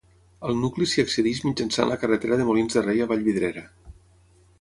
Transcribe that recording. Al nucli s'hi accedeix mitjançant la carretera de Molins de Rei a Vallvidrera.